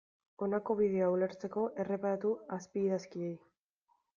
Honako bideoa ulertzeko, erreparatu azpiidazkiei.